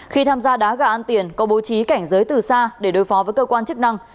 khi tham gia đá gà ăn tiền có bố trí cảnh giới từ xa để đối phó với cơ quan chức năng